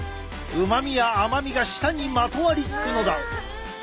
うまみや甘みが舌にまとわりつくのだ。